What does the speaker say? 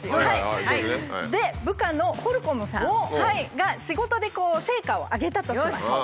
で部下のホルコムさんが仕事で成果を上げたとします。